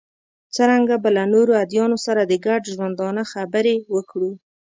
څرنګه به له نورو ادیانو سره د ګډ ژوندانه خبرې وکړو.